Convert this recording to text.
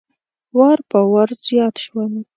وار په وار زیات شول.